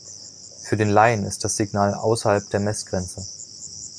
Für den Laien ist das Signal „außerhalb der Messgrenze“.